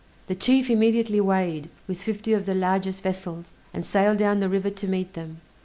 The chief immediately weighed, with fifty of the largest vessels, and sailed down the river to meet them.